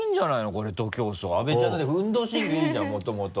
これ徒競走阿部ちゃんだって運動神経いいじゃんもともと。